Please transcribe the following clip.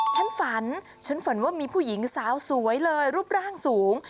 ฉันฝันฉันฝันว่ามีผู้หญิงสาวสวยเลยรูปร่างสูง